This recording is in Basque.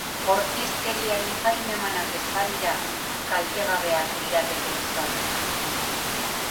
Bortizkeriari hain emanak ez balira, kaltegabeak lirateke gizonak.